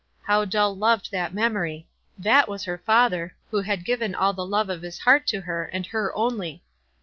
How Dell loved that memory — that was her father, who had given all the love of his heart to her, and her only.